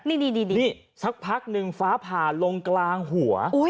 นี่สักพักหนึ่งฟ้าผ่าลงกลางหัว